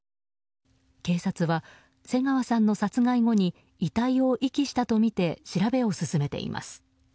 警察は、瀬川さんの殺害後に遺体を遺棄したとみて調べを進めています。